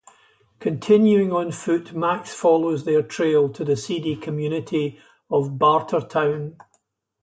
Continuing on foot, Max follows their trail to the seedy community of Bartertown.